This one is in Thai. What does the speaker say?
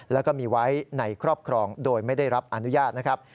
แล้วก็มีไว้ในครอบครองโดยไม่ได้รับอนุญาตนะครับ